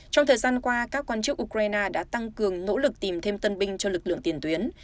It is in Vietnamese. trong thời gian qua các quan chức ukraine đã tăng cường nỗ lực tìm thêm tân binh cho lực lượng tiền tuyến